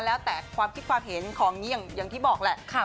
แล้วแต่ความคิดความเห็นของอย่างที่บอกแหละ